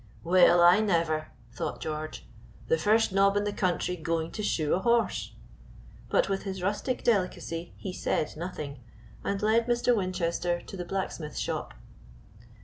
"Well, I never!" thought George. "The first nob in the country going to shoe a horse," but with his rustic delicacy he said nothing, and led Mr. Winchester to the blacksmith's shop.